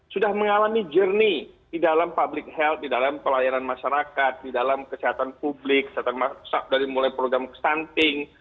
sudah mengalami journey di dalam public health di dalam pelayanan masyarakat di dalam kesehatan publik kesehatan dari mulai program stunting program rumah sakit dan seterusnya